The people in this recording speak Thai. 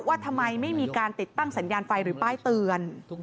ว่าทำไมไม่มีการติดตั้งสัญญาณไฟหรือป้ายเตือน